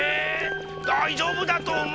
だいじょうぶだとおもうけど。